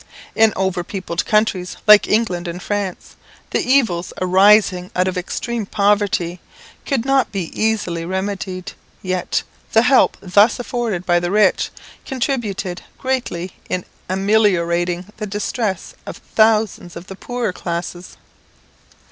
In over peopled countries like England and France, the evils arising out of extreme poverty could not be easily remedied; yet the help thus afforded by the rich, contributed greatly in ameliorating the distress of thousands of the poorer classes.